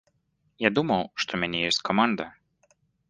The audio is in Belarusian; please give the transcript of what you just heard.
Я думаў, што ў мяне ёсць каманда.